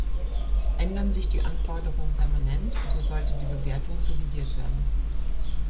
Ändern sich die Anforderungen permanent, so sollte die Bewertung revidiert werden.